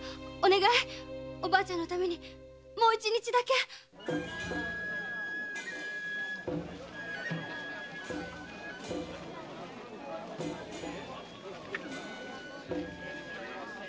おばあちゃんのためにもう一日だけお願い！